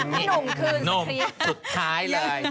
นมคืนสุดท้ายเลย